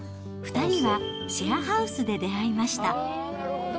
２人はシェアハウスで出会いました。